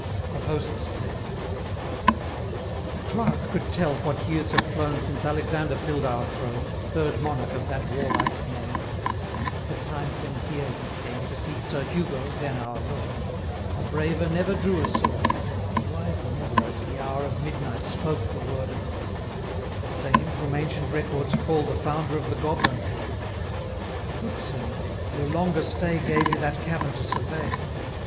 The Host's Tale 'A Clerk could tell what years have flown Since Alexander fill'd our throne, 325 (Third monarch of that warlike name,) And eke the time when here he came To seek Sir Hugo, then our lord: A braver never drew a sword; A wiser never, at the hour 330 Of midnight, spoke the word of power: The same, whom ancient records call The founder of the Goblin Hall. I would, Sir Knight, your longer stay Gave you that cavern to survey.